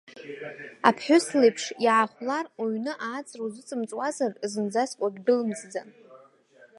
Аԥҳәыс леиԥш, иаахәлар уҩны ааҵра узыҵымҵуазар, зынӡаск уагьдәылымҵӡан.